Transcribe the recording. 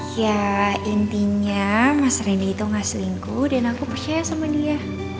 ya intinya mas rendy itu gak selingkuh dan aku percaya sama dia